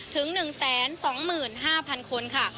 ถึง๑๒๕๐๐๐คนค่ะ